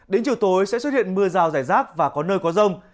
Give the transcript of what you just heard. đến chiều tối sẽ xuất hiện mưa rào rải rác và có nơi có rông